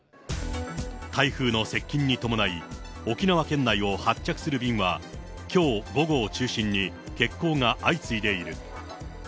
台風の接近に伴い、沖縄県内を発着する便は、きょう午後を中心に欠航が相次いでいる。